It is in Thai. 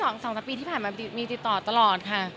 อเรนนี่ที่๒๓ปีที่ผ่านมามีติดต่อตลอดค่ะ